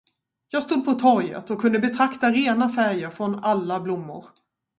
Jag stod på torget och kunde betrakta rena färger från alla blommor.